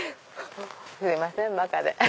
すいませんバカで。